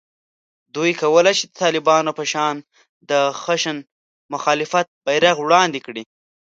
دوی کولای شي د طالبانو په شان د خشن مخالفت بېرغ وړاندې کړي